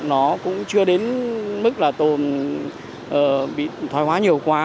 nó cũng chưa đến mức là bị thoải hóa nhiều quá